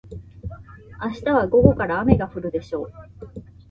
明日は午後から雨が降るでしょう。